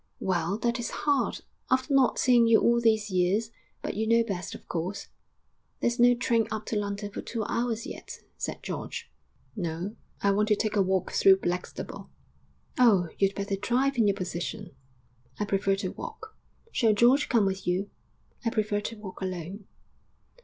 'Well, that is hard. After not seeing you all these years. But you know best, of course!' 'There's no train up to London for two hours yet,' said George. 'No; I want to take a walk through Blackstable.' 'Oh, you'd better drive, in your position.' 'I prefer to walk.' 'Shall George come with you?' 'I prefer to walk alone.'